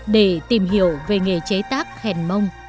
để tìm hiểu về nghề chế tác khen mông